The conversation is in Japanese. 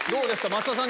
増田さん